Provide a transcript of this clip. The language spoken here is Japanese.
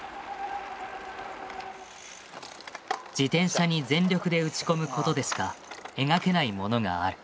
自転車に全力で打ち込むことでしか描けないものがある。